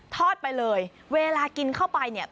ทอดไปเลยเวลากินเข้าไปเนี่ย